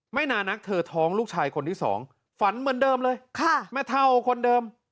ไม่นานนักเธอท้องลูกชายคนที่สองฝันเหมือนเดิมเลยค่ะแม่เท่าคนเดิม